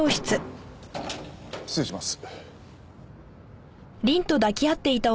失礼します。